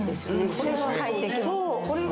これが・入ってきますね